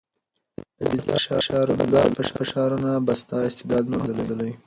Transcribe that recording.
د بازار فشارونه به ستا استعداد نور هم وځلوي.